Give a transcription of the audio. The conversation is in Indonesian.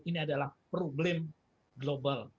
ini adalah problem global